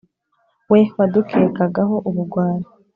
we wadukekagaho ubugwari,